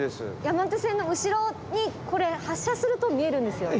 山手線の後ろにこれ発車すると見えるんですよ。